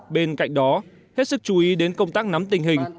bên cạnh đó hết sức chú ý đến công tác nắm tình hình